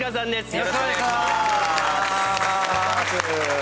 よろしくお願いします。